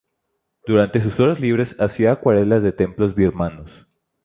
Durante sus horas libres, hacía acuarelas de templos birmanos.